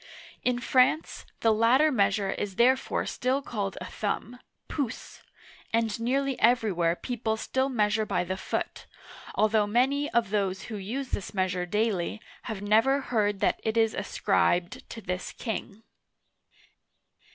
In France, the latter measure is therefore still called a thumb {pouce\ and nearly every where people still measure by the foot, although many of those who use this measure daily have never heard that it is ascribed to this king.